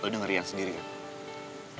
lo denger ian sendiri kan